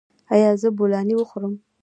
ایا زه بولاني وخورم؟